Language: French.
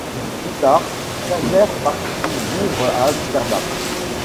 Plus tard, Sinclair partit vivre à Amsterdam.